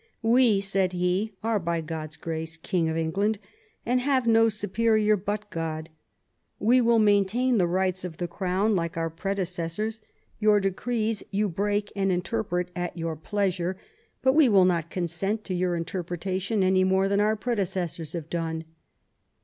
" We," said he, " are by God's grace king of England, and have no superior but God; we will maintain the rights of the Crown like our predecessors ; your decrees you break and interpret at your pleasure ; 138 THOMAS WOLSEY chap. but we will not consent to your interpretation any more than our predecessors "have done."